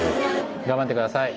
頑張って下さい。